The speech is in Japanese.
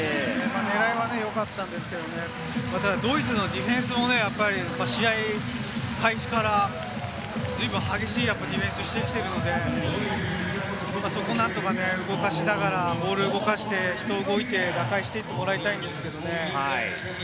狙いは良かったんですけど、ドイツのディフェンスも試合開始からずいぶん激しくディフェンスしてきているので、そこを何とか動かしながらボールを動かして、人も動いて打開していってもらいたいんですけどね。